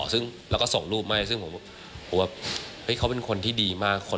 ซึ่งเราก็ส่งรูปมาให้ซึ่งผมว่าเขาเป็นคนที่ดีมาก